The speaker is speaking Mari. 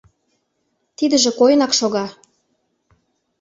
Тидыже койынак шога.